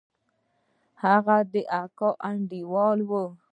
هغه د اکا انډيوال و.